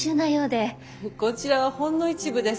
こちらはほんの一部です。